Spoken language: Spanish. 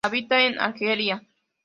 Habita en Argelia.